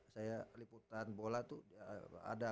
saya liputan bola tuh ada